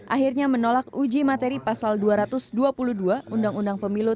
akhirnya menolak uji materi pasal dua ratus dua puluh dua undang undang pemilu